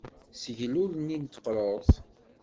Sgel ul-nni n teqṛuṛt.